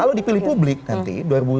kalau dipilih publik nanti